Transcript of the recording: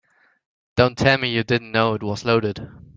Don't tell me you didn't know it was loaded.